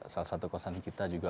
salah satu concern kita juga